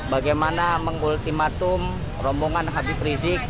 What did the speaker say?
bagaimana mengultimatum rombongan habib rizik